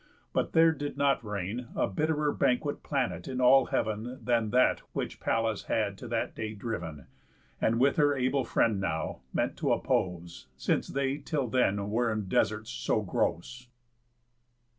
But there did not reign A bitterer banquet planet in all heav'n Than that which Pallas had to that day driv'n, And, with her able friend now, meant t' appose, Since they till then were in deserts so gross.